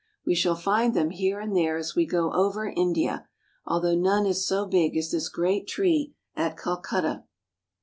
We shall find them here and there as we go over India, although none is so big as this great tree at Calcutta.